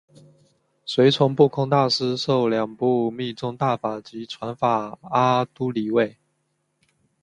随从不空大师受两部密宗大法及传法阿阇黎位。